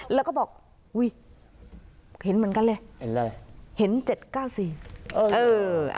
แล้วก็บอกอุ้ยเห็นเหมือนกันเลยเห็นอะไรเห็นเจ็ดเก้าสี่เออเออ